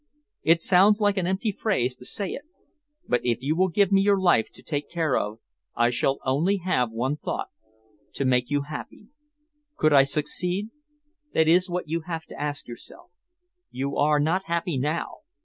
It sounds like an empty phrase to say it, but if you will give me your life to take care of, I shall only have one thought to make you happy. Could I succeed? That is what you have to ask yourself. You are not happy now.